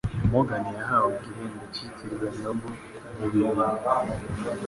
Morgan yahawe igihembo cyitiriwe Nobel mu bibiri